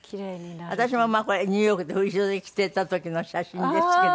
私もこれニューヨークで振り袖着ていた時の写真ですけど。